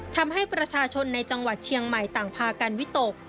ทำให้ประชาชนในจังหวัดเชียงใหม่ต่างพากันวิตก